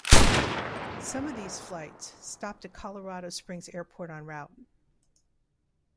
Some of these flights stopped at Colorado Springs Airport en route.